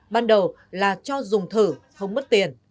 ban đầu là cho dùng thử không mất tiền